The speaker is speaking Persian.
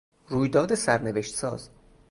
رویداد سرنوشت ساز